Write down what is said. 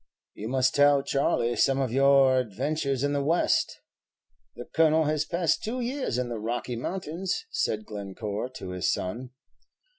"You must tell Charley some of your adventures in the West. The Colonel has passed two years in the Rocky Mountains," said Glencore to his son.